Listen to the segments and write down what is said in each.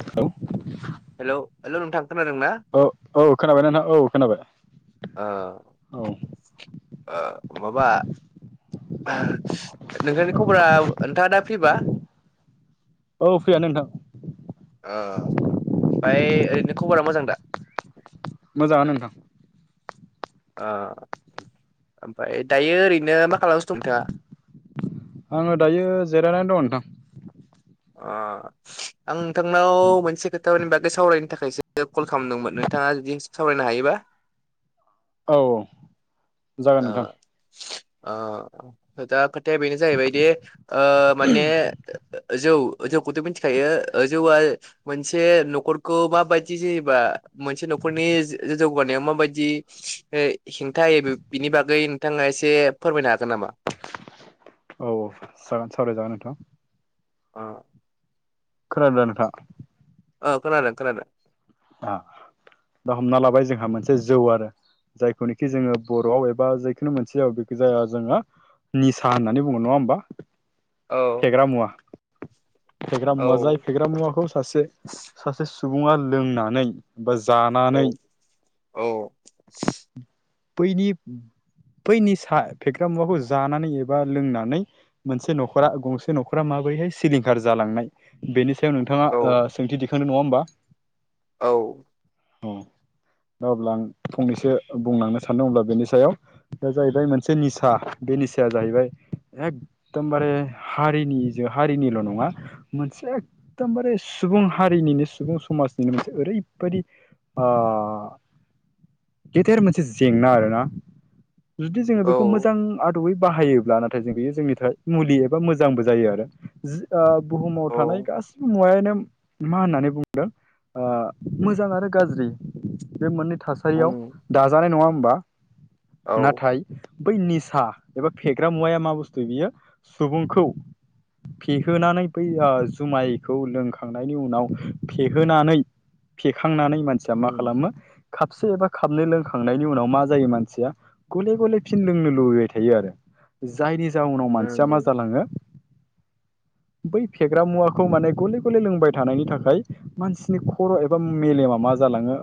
Hello hello hello नोंथां खोनादों ना औ औ खोनाबाय नोंथां औ खोनाबाय औ। आ माबा नोंथांनि खबरा नोंथाङा दा फ्रिबा? औ फ्रियानो नोथां। औ ओमफ्राय ओरैनो खबरा मोजां दा? मोजाङानो नोंथां। ओ ओमफ्राय दायो ओरैनो मा खालामगिसिनो दं नोंथाङा? आङो दायो जिरायनानै दं नोंथां। अ आं नोंथांनाव मोनसे खोथानि बा गै सावरायनो थाखायसो कल खालामदोंमोन नोंथाङा जुदि सावरायनो हायोबा। औ जागोन आ नोंथां आ दा खोथाया बेनो जाहैबायदि माने जौ जौखोथ' मिथिखायो जौआ मोनसे न'खरखौ माबायदि जेनेबा मोनसे न'खरनि जौगानायाव माबायदि हेंथा होयो बे बिनि बागै नोंथाङा एसे फोरमायनो हागोन नामा? औ जागोन सावरायजागोन नोंथां। ओं। खोनादोंना नोंथां? अ खोनादों खोनादों। दा हमना लाबाय जोंहा मोनसे जौ आरो जायखौनोखि जोङो बर'आव एबा जेखुनु मोनसेआव बेखौ जाया जोङो निसा होननानै बुङो नङा होमबा औ फेग्रा मुवा। फेग्रा मुवा जाय औ फेग्रा मुवाखौ सासे सासे सुबुङा लोंनानै बा जानानै औ औ बैनि बै निसा फेग्रा मुवाखौ जानानै एबा लोंनानै मोनसे न'खरा गंसे न'खरा माब माबोरैहाय सिलिंखार जालांनाय बेनि सायाव नोंथाङा औ ओ सोंथि दिखांदों नङा होमबा। औ। औ। दा अब्ला आं फंनैसो बुंलांनो सानदों अब्ला बेनि सायाव दा जाहैबाय मोनसे निसा बे निसाया जाहैबाय एकदमबारे हारिनि हारिनिल' नङा मोनसे एकदम बारे सुबुं हारिनिनो सुबुं समाजनिनो मोनसे ओरैबायदि गेदेर मोनसे जेंना आरोना जुदि जोङो औ बेखौ मोजां आरो बाहायोब्ला नाथाय जों बेयो जोंनि मुलि एबा मोजांबो जायो आरो। बुहुमाव औ थानाय गासिबो मुवायानो मा होननानै बुंदों मोजां आरो गाज्रि बे मोननै थासारियाव उम दाजानाय नङा होमबा। औ नाथाय। बै निसा एबा फेग्रा मुवाया मा बुस्थु बियो सुबुंखौ फेहोनानै बै जुमायखौ लोंखांनायनि उनाव फेहोनानै फेखांनानै मानसिया मा उम खालामो खाबसे एबा खाबनै लोंखांनायनि उनाव मा जायो मानसिया गले गले फिन लोंनो लुबैबाय थायो आरो। जायनि जाउनाव मानसिया मा उम जालाङो बै फेग्रा मुवाखौ माने गले गले लोंबाय थानायनि थाखाय मानसिनि खर' एबा मेलेमा मा जालाङो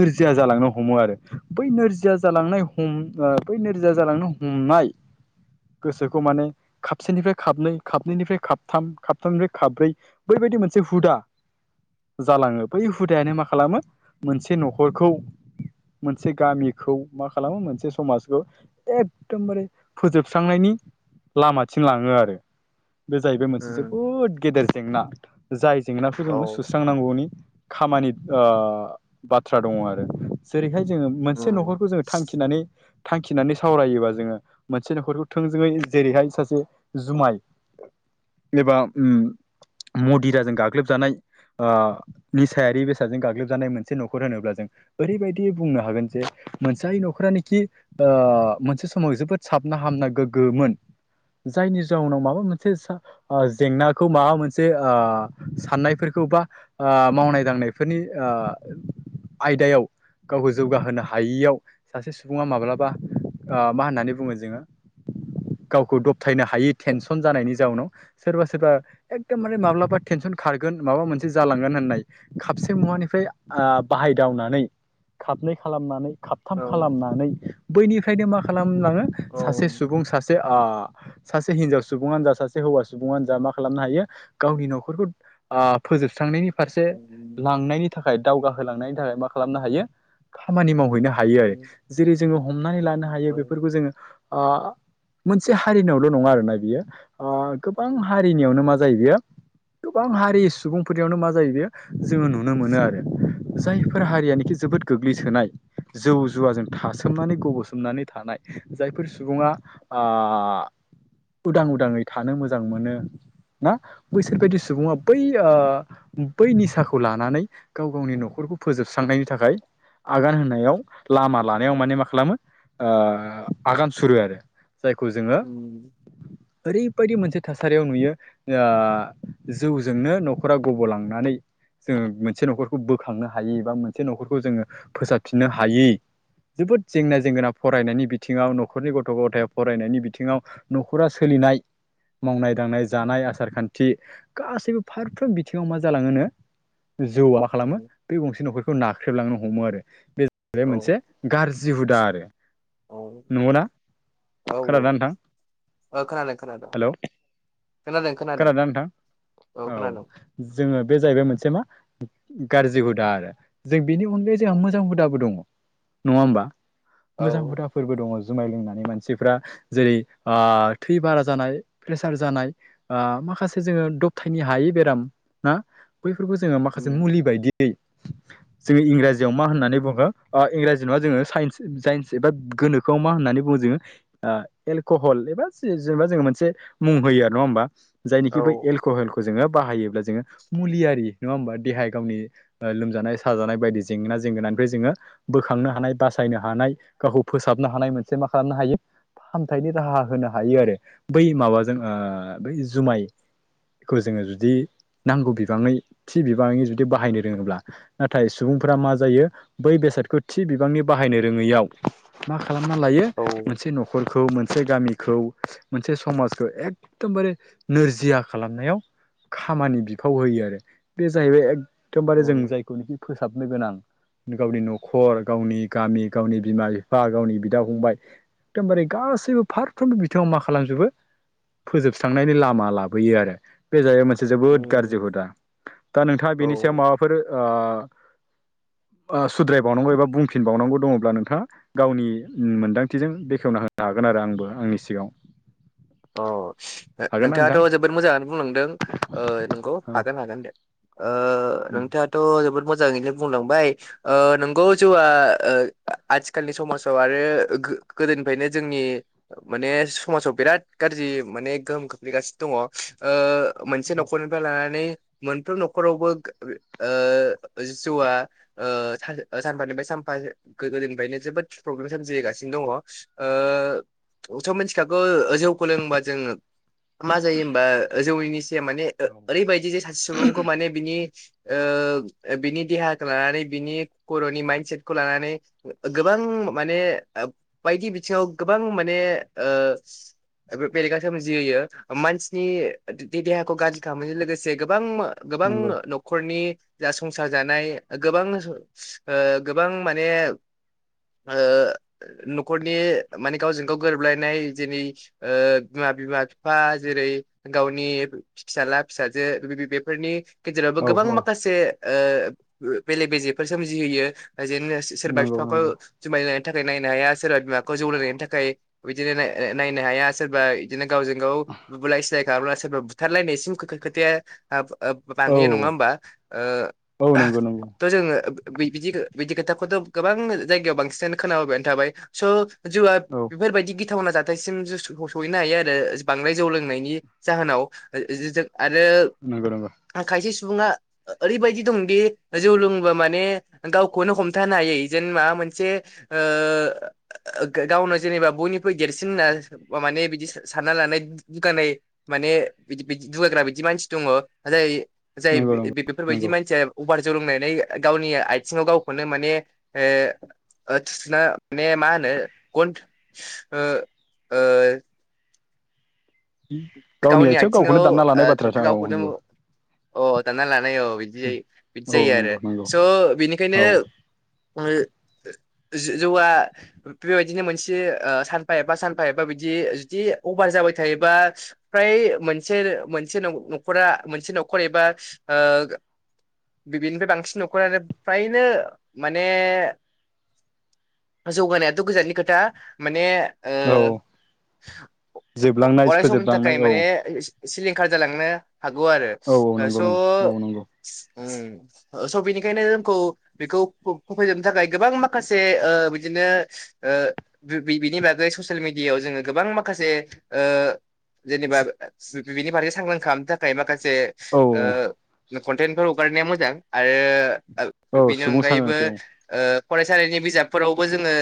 नोरजिया जालांनो हमो आरो बै नोरजिया जालांनाय हम बै नोरजिया जालांनो हम नाय गोसोखौ माने खापसेनिफ्राय खाबनै खाबनैनिफ्राय खाबथाम खाबथामनिफ्राय खाबब्रै बै बेबायदि मोनसे हुदा। [inaudible] जालाङो बै हुदायानो मा खालामो मोनसे न'खरखौ मोनसे गामिखौ मा खालामो मोनसे समाजखौ एकदमबारे फोजोबस्रांनायनि लामाथिं लाङो आरो। बे जाहैबाय मोनसे उम जोबोद गेदेर जेंना जाय जेंनाखौ औ जोङो सु सुस्रांनांगौनि खामानि बाथ्रा दङ आरो। बेहाय जोङो मोनसे उम न'खरखौ जोङो थांखिनानै थांखिनानै सावरायोबा जोङो मोनसे न'खरखौ थोंजोङै जेरैहाय सासे जुमाय एबा उम मदिराजों गाग्लोब जानाय। निसायारि बेसादजों गाग्लोब जानाय मोनसे न'खर होनोब्ला जों ओरैबायदि बुंनो हागोन जे मोनजाय न'खरानिखि मोनसे समाव जोबोद साबना हामना गोग्गोमोन जायनि जाउनाव माबा मोनसे जेंनाखौ माबा मोनसे साननायफोरखौ बा मावनाय दांनायफोरनि आयदायाव गावखौ जौगाहोनो हायियाव सासे सुबुङा माब्लाबा मा होननानै बुङो जोङो गावखौ दबथायनो हायि टेनसन जानायनि जाउनाव सोरबा सोरबा एकदम मारे माब्लाबा टेनसन खारगोन माबा मोनसे जालांगोन होननाय खापसे मुवानिफ्राय बाहायदावनानै खाबनै खालामनानै खाबथाम औ खालामनानै बैनिफ्रायनो मा खालामलाङो औ सासे सुबुं सासे सासे हिनजाव सुबुङानो जा सासे हौवा सुबुङानो जा मा खालामनो हायो गावनि न'खरखौ ओ फोजोबस्रांनायनि फारसे उम लांनायनि थाखाय दावगाहोलांनायनि थाखाय मा खालामनो हायो खामानि मावहैनो हायो आरो उम जेरै जोङो हमनानै लानो हायो औ बेफोरखौ जोङो ओ मोनसे हारिनियावल' नङा आरोना बियो ओ गोबां हारिनियावनो मा जायो बेयो गोबां हारि सुबुंफोरयावनो मा जायो बेयो जोङो नुनो मोनो आरो जायफोर हारियानोखि जोबोद गोग्लैसोनाय। जौ जुवाजों थासोमनानै गब'सोमनानै थानाय जायफोर सुबुङा ओ उदां उदाङै थानो मोजां मोनो ना बैसोरबायदि सुबुङा बै ओ बै निसाखौ लानानै गाव गावनि न'खरखौ फोजोबस्रांनायनि थाखाय आगान होनायाव लामा लानायाव माने मा खालामो ओ आगान सुरो आरो। जायखौ जोङो उम ओरै बायदि मोनसे थासारियाव नुयो ओ जौजोंनो न'खरा गब'लांनानै जोङो मोनसे न'खरखौ बोखांनो हायै एबा मोनसे न'खरखौ जोङो फोसाबफिननो हायै जोबोद जेंना जेंगोना फरायनायनि बिथिङाव न'खरनि गथ' गथाय फरायनायनि बिथिङाव नख'रा सोलि नाय मावनाय दांनाय जानाय आसार खान्थि गासैबो फारफ्रोम बिथिङाव मा जालाङो नो जौआ मा खालामो उम बे गंसे न'खरखौ ना ख्रेबलांनो हमो आरो बे जाहैबाय औ मोनसे गाज्रि हुदा आरो । औ नंगौना? औ खोनादोंना नोंथां औ ओ खोनादों खोनादों हेलौ । खोनादों खोनादों खोनादोंना नोंथां । औ जोङो बे जाहैबाय मोनसे मा गाज्रि हुदा आरो । जों बिनि अनगायै जोंहा मोजां हुदाबो दङ नङा होमबा औ मोजां हुदाफोरबो दङ । जुमाय लोंनानै मानसिफ्रा जेरै ओ थै बारा जानाय प्रेसार जानाय ओ माखासे जोङो दबथायनो हायै बेराम ना बैफोरखौ जोङो माखासे उम मुलि बायदि यै जोङो इंराजियाव मा होननानै बुङो इंराजि नङा जोङो साइन्स एबा गोनोखोआव मा होननानै बुङो जोङो एलकहल एबा जेनेबा जोङो मोनसे मुं होयो आरो नङा होमबा । औ जायनिखि बै एल कहलखौ जोङो बाहायोब्ला जोङो मुलियारि नङा होनबा देहायारि गावनि ओ लोमजानाय साजानाय बायदि जेंना जेंगोनानिफ्राय जोङो बोखांनो हानाय बासायनो हानाय गावखौ फोसाबनो हानाय मोनसे मा खालामनो हायो फाहामथायनि राहा होनो हायो आरो बै माबाजों ओ बै जुमाय खौ जोङो जुदि नांगौ बिबाङै थि बिबाङै जुदि बाहायनो रोङोब्ला नाथाय सुबुंफ्रा मा जायो बै बेसादखौ थि बिबांनि बाहायनो रोङैयाव मा खालामना लायो औ मोनसे न'खरखौ मोन मोनसे गामिखौ मोनसे समाजखौ एखदमबारे नोरजिया खालामनायाव खामानि बिफाव होयो आरो बे जाहैबाय एकदमबारे जों उम जायखौनाखि फोसाबनो गोनां गावनि न'खर गावनि गामि गावनि बिमा बिफा गावनि बिदा फंबाय एखदमबारे गासैबो फारफ्रोमबो बिथिङाव मा खालामजोबो फोजोबस्रांनायनि लामा ला बोयो आरो बे जाहैबाय मोनसे जोबोद उम गाज्रि हुदा । दा नोंथाङा बेनि सायाव औ माबाफोर ओ [inaudible] ओ सुद्रायबावनांगौ एबा बुंफिनबावनांगौ दङब्ला नोंथाङा गावनि मोन्दांथिजों बेखेवना होनो हागोन आरो आंबो आंनि सिगाङाव । [inaudible] ओ ना नोंथाङाथ' जोबोद मोजाङानो बुंलांदों ओ नोंखौ नोंथां औ हागोन हागोन दे ओ नोंथाङाथ' जोबोद मो जाङैनो बुंलांबाय ओ नोंगौ जौआ ओ आथिखालनि समाजाव आरो गोदोनिफ्रायनो जोंनि माने समाजाव बिराद गाज्रि माने गोहोम खोख्लैगासिनो दङ ओ मोनसे न'खरनिफ्राय लानानै मोनफ्रोम न'खरावबो ओ जौआ ओ सानफानिफ्राय सान फा गोदोनिफ्रायनो जोबोद प्रब्लेम सजगासिनो दङ । ओ थ' मिथिखागौ जौखौ लोंबा जोङो मा जायो हबा जौनिनिस माने ओरैबायदि जे सासे सुबुंखौ माने बिनि ओ बिनि देहाखौ लानानै बिनि खर'नि माइन्दसेटखौ लानानै गोबां माने बायदि बिथिङाव गोबां माने ओ बे बेलेगा सोमजिहयो मानसिनि देहाखौ गाज्रि खालामनायजों लोगोसे गोबां गोबां नंगौ न'खरनि जा संसार जानाय गोबां ओ गोबां माने आरो न'खरनि माने गावजों गाव गोरोबलायनाय जेनि ओ बिमा बिमा बिफा जेरै गावनि फिसाजला फिसाजो बेबेफोरनि गेजेरावबो औ गोबां माखासे ओ बेले बेजेफोर सोमजिहोयो । जेनो सोरबा नंगौ बिफाखौ नंगौ जोमाय लों थाखाय नायनो हाया सोरबा बिमाखौ जौ लोंनायनि थाखाय बिदिनो नायनो हाया सोरबा इदिनो गावजों गाव बुलाय सिलाय खालामना सोरबा बुथारलायनायसिम खो-खो-खोथाया ओ औ बांहैयो नङा होमबा ओ औ नंगौ नंगौ थ' जोङो बि-बिदि बिदि खोथाखौथ' गोबां जायगायाव बांसिनानो खोनाबोबायानो थाबाय स' जौआ औ बेफोरबायदि गिथावना जाथायसिम सहैनो हायो आरो बांद्राय जौ लोंनायनि जाहोनाव जों आरो नंगौ नंगौ खायसे सु बुंआ ओरैबायदि दंदि जौ लोंबा माने गावखौनो हमथानो हायै जेन माबा मोनसे ओ गावनो जेनेबा बयनिख्रुइ देरसिन होनना माने बिदि सा-सानना लानाय दुगानाय माने बिदि बिदि दुगाग्रा बिदि मानसि दङ जाय जाय नंगौ नंगौ बे-बेफोरबायदि नंगौ मानसिया अभार जौ लोंनानै गावनि आथिङाव गावखौनो माने ओ थुसनो माने मा होन ने गन ओ ओ गावनि आथिङाव गावखौनो दानना ओ लानाय बाथ्राथा औ गा-गावखौनो नंगौ अ दाना ला औ बिदि बिदि औ जायो आरो नंगौ नंगौ स' औ बिनिखायनो ओ जो-जौआ बेबायदिनो मोनसे ओ सानफा एबा सानफा एबा बिदि जुदि अभार जा बाय थायोबा फ्राय मोनसे मोनसे न-न'खरा मोनसे न'खर एबा ओ बि-बिनिफ्राय बांसिन न'खरानो फ्रायनो माने जौगानायाथ' गोजाननि खोथा माने औ ओ अ- जोबलांनाय अराय समनि फोजोबलां थाखाय माने सि-सिलिंखार जालांनो हागौ आरो औ औ नंगौ नंगौ औ नंगौ स' उम स' बेनिखायनो जोंखौ बेखौ फो-फोजोबनो थाखाय गोबां माखासे ओ बिदि नो ओ बि-बिनि बागै ससियेल मिडियाायाव जोङो गोबां माखासे ओ जेनेबा बि-बिनि फारसे सांग्रां खालामनो थाखाय माखासे औ ओ कनटेन्टफोर हगारनाया मोजां आरो औ बेनि सुबुं अनगायैबो सांग्रांथि औ ओ फरायसालिनि बिजाबफोरावबो जोङो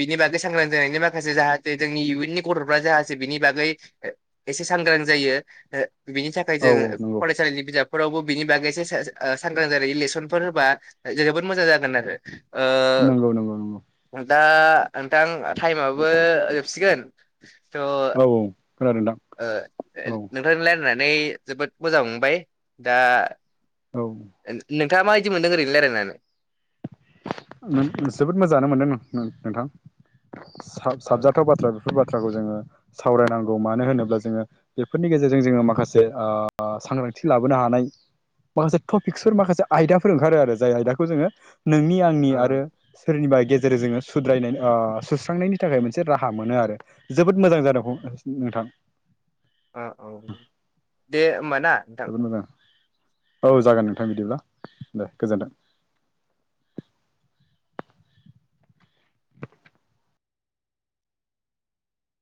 बिनि बागै सांग्रां जानायनि माखासे जाहाथे जोंनि इयुननि गथ'फ्रा जा खासे बिनि बागै एसे सांग्रां जायो ओ बिनि थाखाय औ जों औ नंगौ फरायसालिनि बिजाब फोरावबो बिनि बागैसो सा-सा-ओ-सांग्रां जानायनि लेसनफोर होबा जोबोद मोजां जागोन आरो नंगौ नंगौ नंगौ ओ दा नोंथां टाइमाबो जोबसिगोन थ' औ औ खोनादों दे ओ नोंथांनि लायरायनानै जोबोद मोजां मोनबाय दा औ नोंथाङा माबायदि मोनदों ओरैनो रायलायनानै? जोबोद मोजाङानो मोनदों नोंथां। औ सा-साबजाथाव बाथ्रा बेफोर बा थ्राखौ जोङो सावरायनांगौ मानो होनोब्ला जोङो बेफोरनि गेजेरजों जोङो माखासे ओ सांग्रां थि लाबोनो हानाय माखासे टपिक्सफोर माखासे आयदाफोर ओंखारो आरो जाय आयदाखौ जोङो नोंनि आंनि औ आरो सोरनिबा गेजेर जोङो सुद्रायनाय ओ सुस्रांनायनि थाखाय मोनसे राहा मोनो आरो जोबोद मोजां जादों [unintelligible] थां। ओ औ दे होमबाना। जोबोद मोजां औ जागोन नोंथां बिदिब्ला। दे गोजोन्थों।